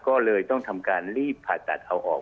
ก็เลยต้องทำการรีบผ่าตัดเอาออก